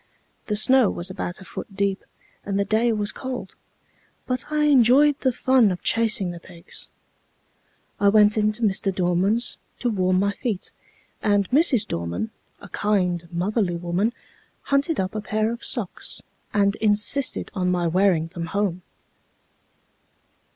The snow was about a foot deep, and the day was cold, but I enjoyed the fun of chasing the pigs. I went into Mr. Dorman's to warm my feet, and Mrs. Dorman, a kind, motherly woman, hunted up a pair of socks, and insisted on my wearing them home.